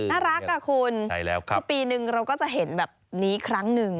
น่ารักอ่ะคุณคือปีนึงเราก็จะเห็นแบบนี้ครั้งหนึ่ง